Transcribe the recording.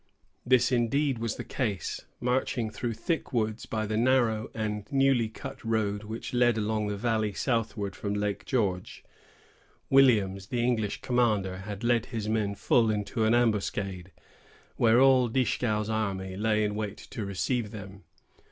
This was indeed the case. Marching through thick woods, by the narrow and newly cut road which led along the valley southward from Lake George, Williams, the English commander, had led his men full into an ambuscade, where all Dieskau's army lay in wait to receive them.